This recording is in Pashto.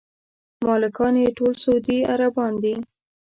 مالکان یې ټول سعودي عربان دي.